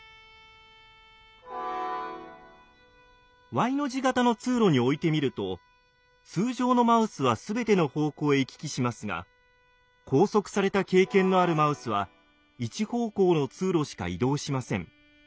Ｙの字型の通路に置いてみると通常のマウスは全ての方向へ行き来しますが拘束された経験のあるマウスは一方向の通路しか移動しません。